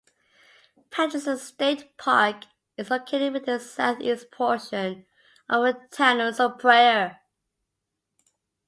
Pattison State Park is located within the southeast portion of the Town of Superior.